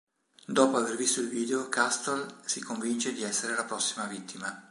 Dopo aver visto il video, Castle si convince di essere la prossima vittima.